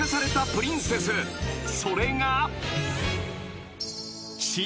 ［それが］